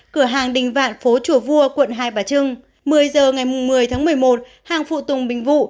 cửa hàng đình vạn phố chùa vua quận hai bà trưng một mươi giờ ngày một mươi tháng một mươi một hàng phụ tùng bình vụ